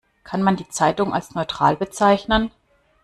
Kann man die Zeitung als neutral bezeichnen?